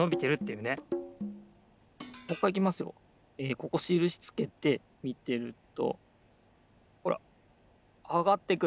ここしるしつけてみてるとほらあがってく。